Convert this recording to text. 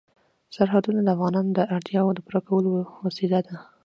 سرحدونه د افغانانو د اړتیاوو د پوره کولو وسیله ده.